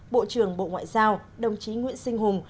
bộ trưởng bộ ngoại giao đồng chí nguyễn sinh hùng